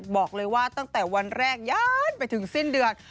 บอกเลยว่าตั้งแต่วันแรกย่านไปถึงสิ้นเดือน